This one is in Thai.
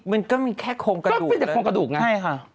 มันก็มีแค่โครงกระดูกมันเป็นแต่โครงกระดูกไง